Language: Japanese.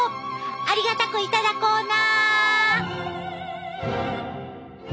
ありがたく頂こうな！